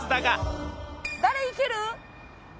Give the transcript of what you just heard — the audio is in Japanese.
誰いける？